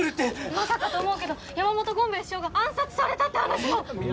まさかと思うけど山本権兵衛首相が暗殺されたって話も。